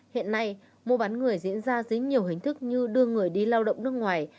hiện nay mua bán người diễn ra dưới nhiều hình thức như đưa người đi lao động nước ngoài